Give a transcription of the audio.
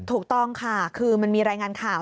ถูกต้องค่ะคือมันมีรายงานข่าว